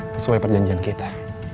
sesuai perjanjian kita